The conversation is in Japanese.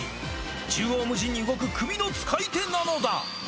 縦横無尽に動く首の使い手なのだ。